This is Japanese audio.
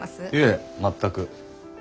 いえ全く。